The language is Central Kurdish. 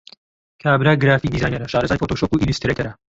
کابرا گرافیک دیزاینەرە، شارەزای فۆتۆشۆپ و ئیلسترەیتەرە.